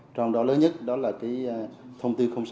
trong đó lớn nhất đó là thông tư sáu